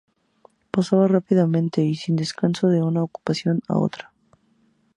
Pasaba rápidamente y sin descanso de una ocupación a otra.